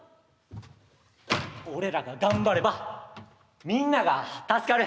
俺らが頑張ればみんなが助かる。